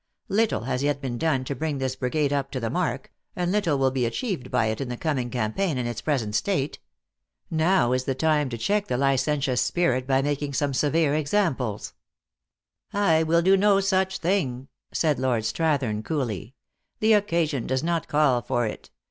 Little has yet been done to bring this brigade up to the mark, and little will be achieved by it in the coming campaign in its present state. Now is the time to check the licentious spirit by making some severe examples." "I will do no such thing," said Lord Strathern, coolly. The occasion does not call for it.